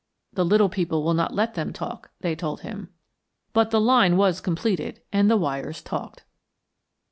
"The little people will not let them talk," they told him. But the line was completed and the wires talked.